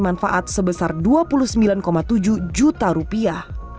manfaat sebesar rp dua puluh sembilan tujuh juta